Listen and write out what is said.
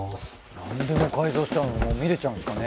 何でも改造しちゃうの見られちゃうんですかね